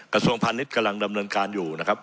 กระทรวงพาณิชย์กำลังดำเนินการอยู่นะครับ